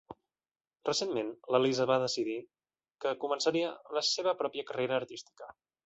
Recentment, la Lisa va decidir que començaria la seva pròpia carrera artística.